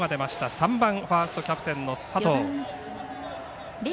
３番ファーストキャプテンの佐藤。